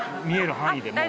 見える範囲で。